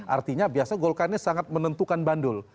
artinya biasa golkar ini sangat menentukan bandul